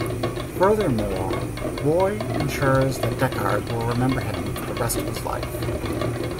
Furthermore, Roy ensures that Deckard will remember him for the rest of his life.